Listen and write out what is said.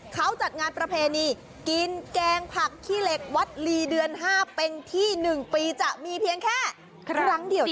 เขาจัดงานประเพณีกินแกงผักขี้เหล็กวัดลีเดือน๕เป็นที่๑ปีจะมีเพียงแค่ครั้งเดียว